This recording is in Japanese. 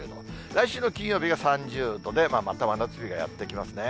来週の金曜日は３０度で、また真夏日がやって来ますね。